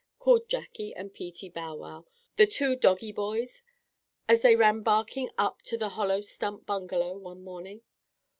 called Jackie and Peetie Bow Wow, the two doggie boys, as they ran barking up to the hollow stump bungalow one morning.